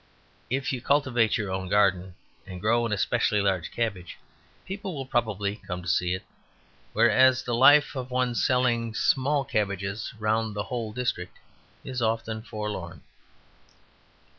If you cultivate your own garden and grow a specially large cabbage, people will probably come to see it. Whereas the life of one selling small cabbages round the whole district is often forlorn.